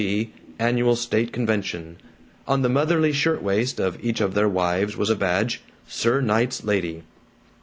B., Annual State Convention." On the motherly shirtwaist of each of their wives was a badge "Sir Knight's Lady."